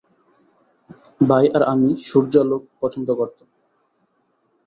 ভাই আর আমি সূর্যালোক পছন্দ করতাম।